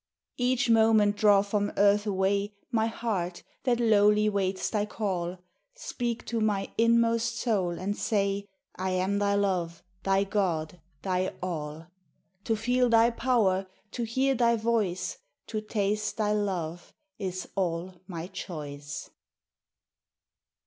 Each moment draw from earth away My heart, that lowly waits thy call. Speak to my inmost soul, and say, " I am thy Love, thy God, thy All." To feel thy power, to hear thy voice, To taste thy love is all my choice.